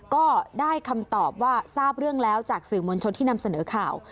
ก็ได้คำตอบว่าทราบเรื่องแล้วจากสื่อมวลชนที่นำเสนอข่าว